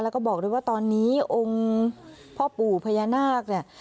แล้วก็บอกด้วยว่าตอนนี้องค์พ่อปู่พญานาคเนี่ย